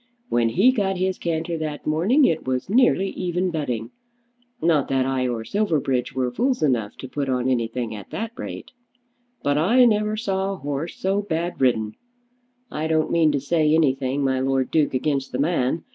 When he got his canter that morning, it was nearly even betting. Not that I or Silverbridge were fools enough to put on anything at that rate. But I never saw a 'orse so bad ridden. I don't mean to say anything, my Lord Duke, against the man.